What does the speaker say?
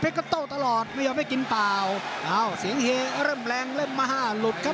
มีเป็นลูกดูวิทีพลากำลังนี่มีกันเลยครับ